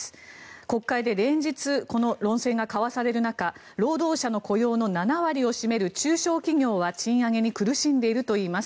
国会で連日この論戦が交わされる中労働者の雇用の７割を占める中小企業は賃上げに苦しんでいるといいます。